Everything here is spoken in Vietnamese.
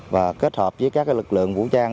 và kết hợp với các lực lượng vũ trang